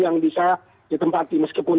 yang bisa ditempati meskipun